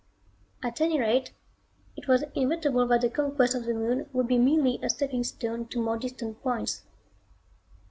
At any rate, it was inevitable that the conquest of the moon would be merely a stepping stone to more distant points.